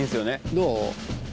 どう？